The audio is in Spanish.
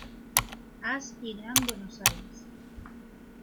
As y Gran Buenos Aires.